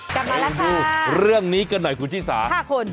กลับมาแล้วดูเรื่องนี้กันหน่อยคุณชิสา๕คน